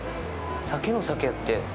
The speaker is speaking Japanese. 鮭の酒やって。